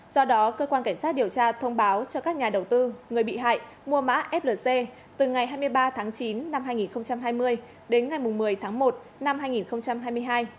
do đó cơ quan cảnh sát điều tra thông báo cho các nhà đầu tư người bị hại mua mã flc từ ngày hai mươi ba tháng chín năm hai nghìn hai mươi đến ngày một mươi tháng một năm hai nghìn hai mươi hai